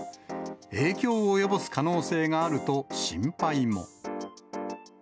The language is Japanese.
影響を及ぼす可能性があると心配も。